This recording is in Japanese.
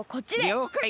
りょうかい。